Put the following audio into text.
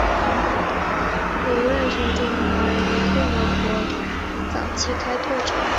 胡瑞荃中华人民共和国证券业的早期开拓者。